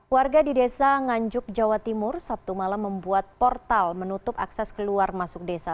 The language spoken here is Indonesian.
warga di desa nganjuk jawa timur sabtu malam membuat portal menutup akses keluar masuk desa